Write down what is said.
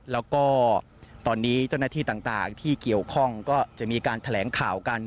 แล้วก็ตอนนี้เจ้าหน้าที่ต่างที่เกี่ยวข้องก็จะมีการแถลงข่าวกัน